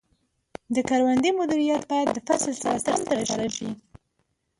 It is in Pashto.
د کروندې مدیریت باید د فصل سره سم ترسره شي.